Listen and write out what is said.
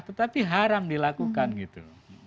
tetapi haram dilakukan gitu